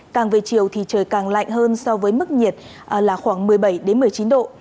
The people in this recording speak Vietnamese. càng về chiều thì trời càng lạnh hơn so với mức nhiệt là khoảng một mươi bảy một mươi chín độ